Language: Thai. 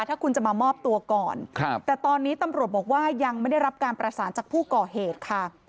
ถ้าคุณจะมามอบตัวก่อนแต่ตอนนี้ตำรวจบอกว่ายังไม่ได้รับการประสานจากผู้ก่อเหตุค่ะ